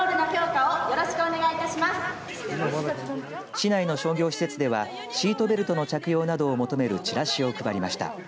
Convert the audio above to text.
市内の商業施設ではシートベルトの着用などを求めるチラシを配りました。